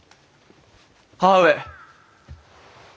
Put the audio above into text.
母上。